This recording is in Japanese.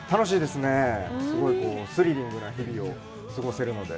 すごいスリリングな日々を過ごせるので。